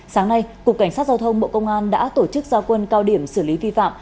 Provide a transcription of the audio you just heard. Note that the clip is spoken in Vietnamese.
sáng nay cục cảnh sát giao thông bộ công an đã tổ chức giao quân cao điểm xử lý vi phạm